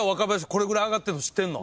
これぐらい上がってるの知ってるの？